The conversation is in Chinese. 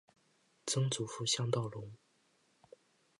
曾祖父向道隆。